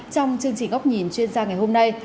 trong chương trình góc nhìn chuyên gia ngày hôm nay